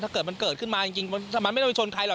เกิดมันเกิดขึ้นมาจริงมันไม่ต้องไปชนใครหรอก